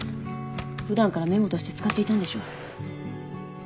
普段からメモとして使っていたんでしょう。